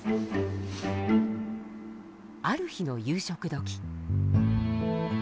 ある日の夕食どき。